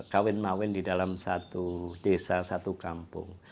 kawin mawin di dalam satu desa satu kampung